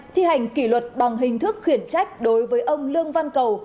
thi hành kỷ luật bằng hình thức khiển trách đối với ông lương văn cầu